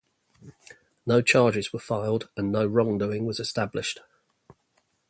No charges were filed, and no wrongdoing was established.